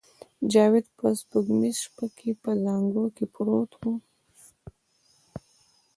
جاوید په سپوږمیزه شپه کې په زانګو کې پروت و